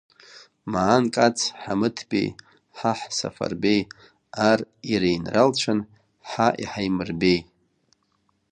Маан Кац, Ҳамыҭбеи, ҳаҳ Сафарбеи, аР иреинралцәан ҳа иҳаимырбеи.